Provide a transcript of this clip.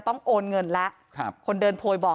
ความปลอดภัยของนายอภิรักษ์และครอบครัวด้วยซ้ำ